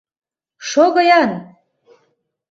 Шого-ян!